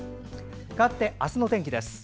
かわって明日の天気です。